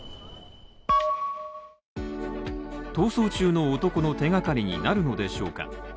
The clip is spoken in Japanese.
逃走中の男の手がかりになるのでしょうか。